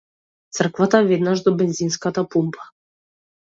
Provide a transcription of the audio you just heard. Црквата е веднаш до бензинската пумпа.